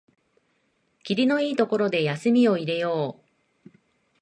きりのいいところで休みを入れよう